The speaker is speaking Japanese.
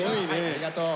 ありがとう。